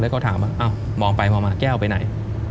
แล้วเขาถามมาเห้อมองไปมองมาแก้วไปไหน